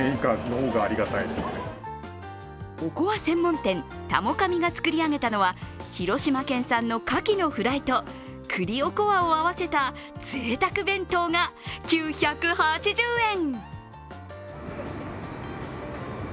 おこわ専門店、たもかみが作り上げたのは広島県産のカキのフライと栗おこわをあわせた、ぜいたく弁当が９８０円。